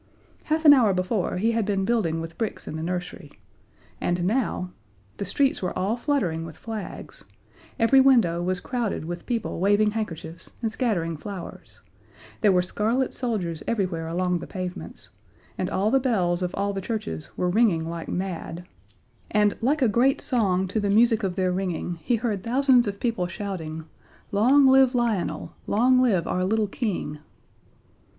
Half an hour before he had been building with bricks in the nursery; and now the streets were all fluttering with flags; every window was crowded with people waving handkerchiefs and scattering flowers; there were scarlet soldiers everywhere along the pavements, and all the bells of all the churches were ringing like mad, and like a great song to the music of their ringing he heard thousands of people shouting, "Long live Lionel! Long live our little King!"